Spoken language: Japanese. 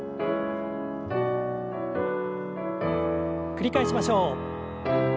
繰り返しましょう。